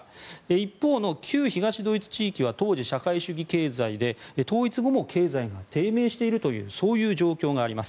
一方の旧東ドイツ地域は当時、社会主義経済で統一後も経済が低迷しているというそういう状況があります。